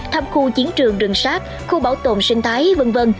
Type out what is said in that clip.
thăm khu chiến trường rừng sát khu bảo tồn sinh thái v v